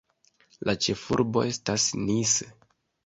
La ĉefurbo estas Nice.